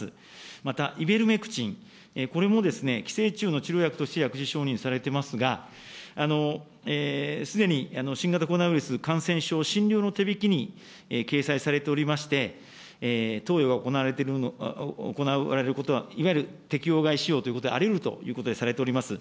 またイベルメクチン、これも寄生虫の治療薬として薬事承認されてますが、すでに新型コロナウイルス感染症診療の手引に掲載されておりまして、投与が行われることは、いわゆる適用外使用ということで、ありうるということでされております。